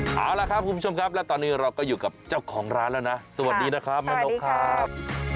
เอาละครับคุณผู้ชมครับและตอนนี้เราก็อยู่กับเจ้าของร้านแล้วนะสวัสดีนะครับแม่นกครับ